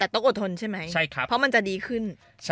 แต่ต้องอดทนใช่ไหมเพราะมันจะดีขึ้น